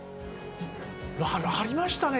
ありましたね。